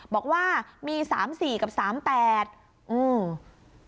บอกว่ามี๓๔กับ๓๘อืม